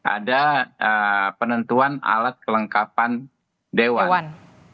ada penentuan alat kelengkapan dewan